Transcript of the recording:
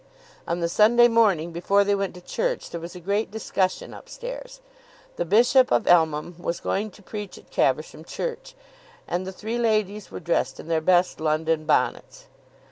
On the Sunday morning before they went to church there was a great discussion up stairs. The Bishop of Elmham was going to preach at Caversham church, and the three ladies were dressed in their best London bonnets.